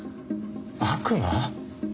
悪魔？